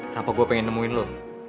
kenapa gue pengen nemuin loh